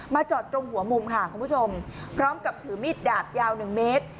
จอดตรงหัวมุมค่ะคุณผู้ชมพร้อมกับถือมีดดาบยาว๑เมตร